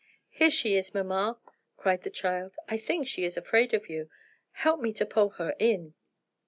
"Here she is mamma," cried the child. "I think she's afraid of you; help me to pull her in."